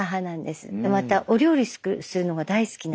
でまたお料理するのが大好きなんです。